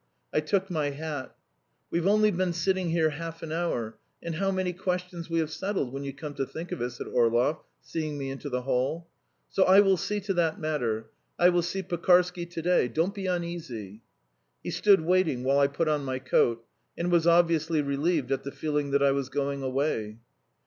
I took my hat. "We've only been sitting here half an hour, and how many questions we have settled, when you come to think of it!" said Orlov, seeing me into the hall. "So I will see to that matter. ... I will see Pekarsky to day. ... Don't be uneasy." He stood waiting while I put on my coat, and was obviously relieved at the feeling that I was going away.